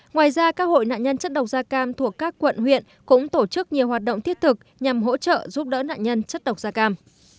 ngoài ra các hội nạn nhân chất độc da cam thuộc các quận huyện cũng tổ chức nhiều hoạt động thiết thực nhằm hỗ trợ giúp đỡ nạn nhân chất độc da cam